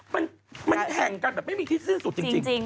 มันแข่งกันแบบไม่มีที่สิ้นสุดจริง